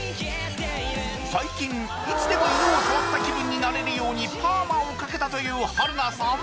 最近いつでも犬を触った気分になれるようにパーマをかけたという春菜さん